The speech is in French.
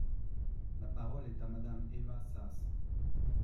La parole est à Madame Eva Sas.